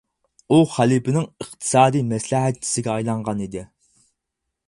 ئۇ خەلپىنىڭ ئىقتىسادىي مەسلىھەتچىسىگە ئايلانغان ئىدى.